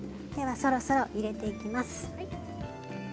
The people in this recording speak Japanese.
そろそろ入れていきます。